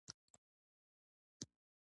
سندره د فکرونو لاره ده